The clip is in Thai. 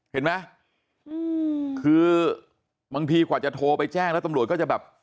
เห็นไหมคือบางทีกว่าจะโทรไปแจ้งแล้วตำรวจก็จะแบบ